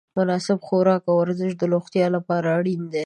مناسب خوراک او ورزش د روغتیا لپاره اړین دي.